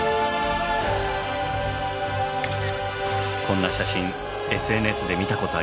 こんな写真ＳＮＳで見たことありませんか？